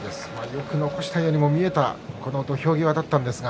よく残したように見えた土俵際だったんですが。